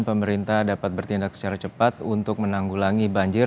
pemerintah ber viktig itu harapnya ia bisa mencegahkan banjir